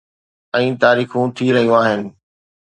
۽ تاريخون ٿي رهيون آهن.